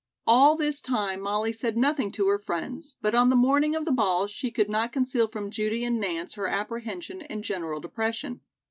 All this time, Molly said nothing to her friends, but on the morning of the ball she could not conceal from Judy and Nance her apprehension and general depression.